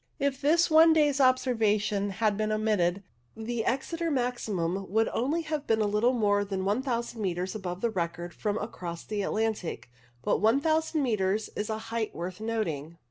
If this one day's observations had been omitted, the Exeter maximum would only have been little more than 1000 metres above the record from across the Atlantic, but 1000 metres is a height worth noting.